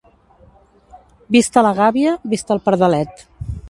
Vista la gàbia, vist el pardalet.